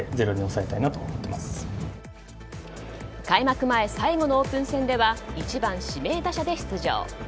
開幕前最後のオープン戦では１番指名打者で出場。